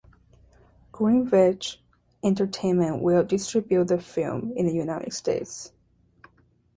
Greenwich Entertainment will distribute the film in the United States.